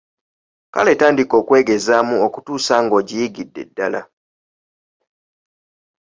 Kale tandika okwegezaamu okutuusa ng'ogiyigidde ddala.